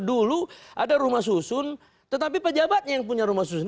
dulu ada rumah susun tetapi pejabatnya yang punya rumah susun